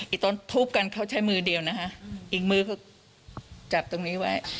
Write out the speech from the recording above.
อีกตอนทุบกันเขาใช้มือเดียวนะคะอีกมือก็จับตรงนี้ไว้